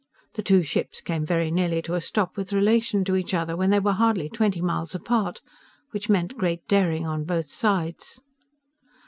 The two ships came very nearly to a stop with relation to each other when they were hardly twenty miles apart which meant great daring on both sides.